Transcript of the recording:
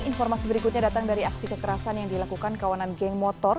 informasi berikutnya datang dari aksi kekerasan yang dilakukan kawanan geng motor